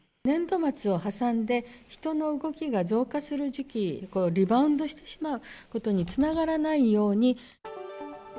年度末を挟んで人の動きが増加する時期、リバウンドしてしまうことにつながらないように。